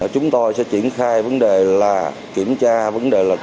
chúng tôi sẽ triển khai vấn đề là kiểm tra vấn đề là